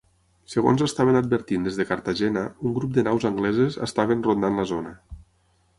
Segons estaven advertint des de Cartagena, un grup de naus angleses estaven rondant la zona.